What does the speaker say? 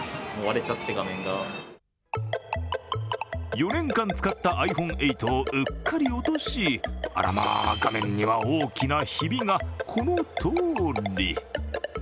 ４年使ったｉＰｈｏｎｅ８をうっかり落としあらま、画面には大きなひびがこのとおり。